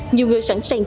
nhiều người sẵn sàng